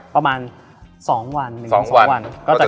ประมาณ๒วัน